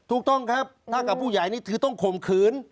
ถูกต้องครับถ้ากับผู้ใหญ่นี่คือต้องข่มขืน